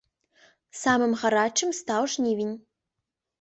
Самым гарачым стаў жнівень.